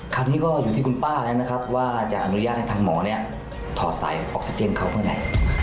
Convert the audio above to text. คราวนี้ก็อยู่ที่คุณป้าแล้วนะครับว่าจะอนุญาตให้ทางหมอเนี่ยถอดสายออกซิเจนเขาเพื่อไหน